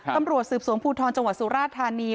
ตำรวจสืบสวนภูทรจังหวัดสุราธานี